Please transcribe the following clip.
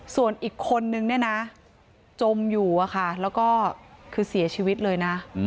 ส่วนอีกคนหนึ่งจมอยู่ค่ะแล้วก็เสียชีวิตเลยนะ